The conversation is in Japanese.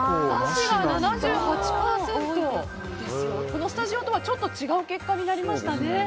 このスタジオとはちょっと違う結果になりました。